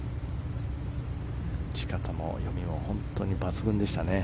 打ち方も読みも抜群でしたね。